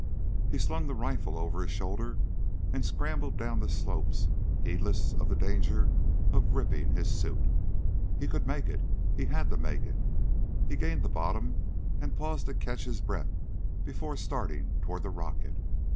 He slung his rifle over his shoulder and scrambled down the slope heedless of the danger of ripping his suit. He could make it. He had to make it! He gained the bottom and paused to catch his breath before starting toward the rocket.